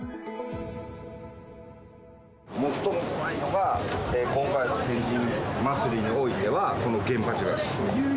最も怖いのが、今回の天神祭においては、この源八橋。